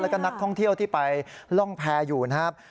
แล้วก็นักท่องเที่ยวที่ไปล่องแพรอยู่นะครับ